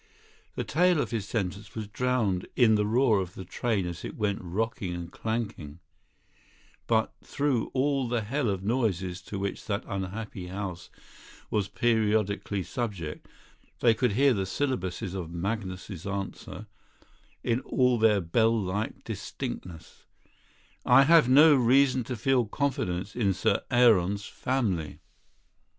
The tail of his sentence was drowned in the roar of the train as it went rocking and clanking; but through all the hell of noises to which that unhappy house was periodically subject, they could hear the syllables of Magnus's answer, in all their bell like distinctness: "I have no reason to feel confidence in Sir Aaron's family."